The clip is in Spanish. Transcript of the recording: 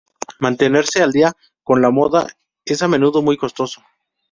Mantenerse al día con la moda es a menudo muy costoso.